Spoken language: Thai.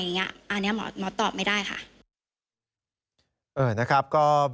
อันนี้หมอตอบไม่ได้ค่ะ